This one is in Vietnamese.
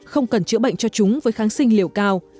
không cần chữa bệnh cho chúng với kháng sinh liều cao